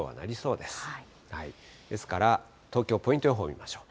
ですから、東京ポイント予報見ましょう。